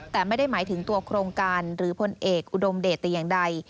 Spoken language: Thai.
แต่ไม่ได้หมายถึงตัวโครงการหรือพลเอกอุดมเดชแต่อย่างใด